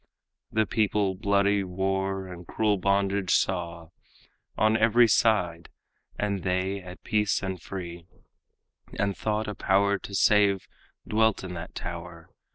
The people bloody war and cruel bondage saw On every side, and they at peace and free, And thought a power to save dwelt in that tower.